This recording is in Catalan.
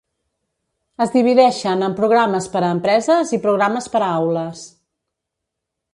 Es divideixen en programes per a empreses i programes per a aules.